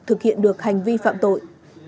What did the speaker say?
thực hiện được hành vi phạm tội